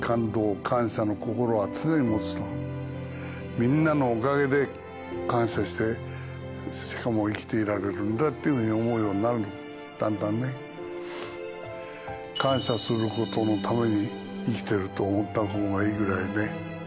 みんなのおかげで感謝してしかも生きていられるんだっていうふうに思うようになるだんだんね。と思ったほうがいいぐらいね。